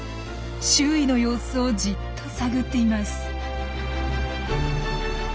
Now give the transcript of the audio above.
周囲の様子をじっと探っています。